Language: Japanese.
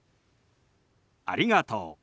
「ありがとう」。